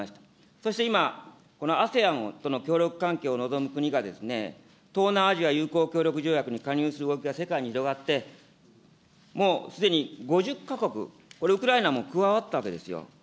そして今、このＡＳＥＡＮとの協力関係を望む国が、東南アジア友好協力条約に加入する動きが世界に広がって、もうすでに５０か国、これ、ウクライナも加わったわけですよ。